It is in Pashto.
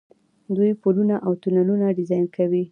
دوی پلونه او تونلونه ډیزاین کوي.